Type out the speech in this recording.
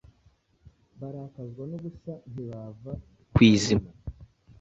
barakazwa n’ubusa, ntibava kw'izima